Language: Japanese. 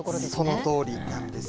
そのとおりなんです。